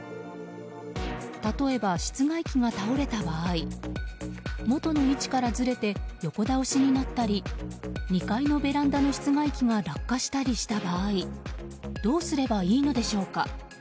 例えば、室外機が倒れた場合元の位置からずれて横倒しになったり２階のベランダの室外機が落下したりした場合どうすればいいのでしょうか？